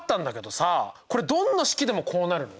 これどんな式でもこうなるの？